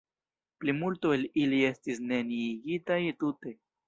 Plimulto el ili estis neniigitaj tute.